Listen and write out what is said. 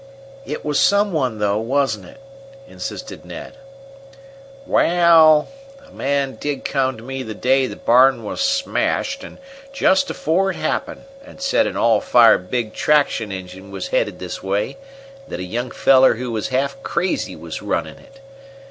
"It was some one, though, wasn't it?" insisted Ned. "Waal, a man did come to me the day the barn was smashed, and just afore it happened, and said an all fired big traction engine was headed this way, and that a young feller who was half crazy was running it.